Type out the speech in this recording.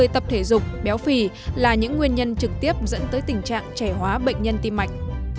tập thể dục béo phì là những nguyên nhân trực tiếp dẫn tới tình trạng trẻ hóa bệnh nhân tim mạch